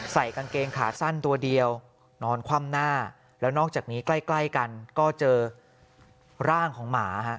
ใส่กางเกงขาสั้นตัวเดียวนอนคว่ำหน้าแล้วนอกจากนี้ใกล้ใกล้กันก็เจอร่างของหมาฮะ